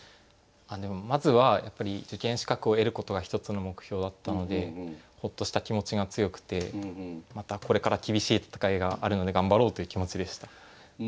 まずはやっぱり受験資格を得ることが一つの目標だったのでほっとした気持ちが強くてまたこれから厳しい戦いがあるので頑張ろうという気持ちでした。